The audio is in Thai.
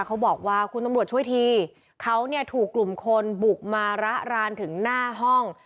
เขาบอกว่าคุณตำรวจช่วยทีเขาเนี่ยถูกกลุ่มคนบุกมาระรานถึงหน้าห้อง